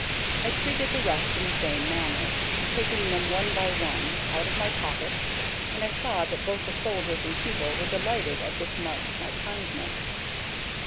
I treated the rest in the same manner, taking them one by one out of my pocket; and I saw that both the soldiers and people were delighted at this mark of my kindness.